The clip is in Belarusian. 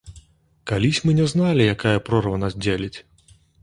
Калісь мы не зналі, якая прорва нас дзеліць.